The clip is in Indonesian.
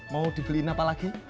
mau dibeliin apa lagi